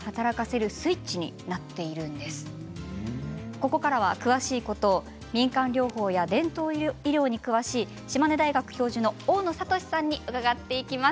ここからは詳しいことを民間療法や伝統医療に詳しい島根大学教授の大野智さんに伺います。